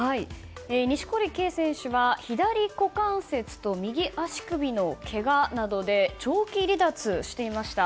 錦織圭選手は左股関節と右足首のけがなどで長期離脱していました。